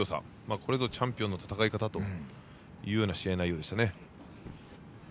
これぞチャンピオンの戦い方というような試合内容でした。